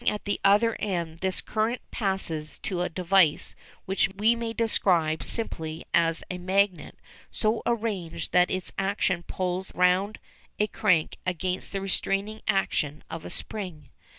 ] Arrived at the other end, this current passes to a device which we may describe simply as a magnet so arranged that its action pulls round a crank against the restraining action of a spring.